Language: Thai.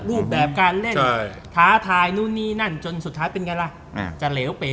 รูปแบบความท้าทายจนเป็นไงน่ะ